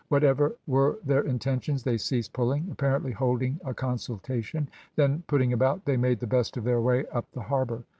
Whatever were their intentions, they ceased pulling, apparently holding a consultation; then putting about they made the best of their way up the harbour.